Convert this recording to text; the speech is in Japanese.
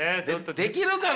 できるかな？